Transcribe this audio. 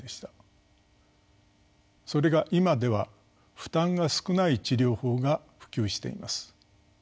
それが今では負担が少ない治療法が普及しています。